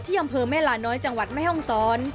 อำเภอแม่ลาน้อยจังหวัดแม่ห้องซ้อน